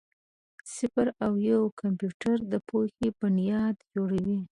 صفر او یو د کمپیوټر د پوهې بنیاد جوړوي.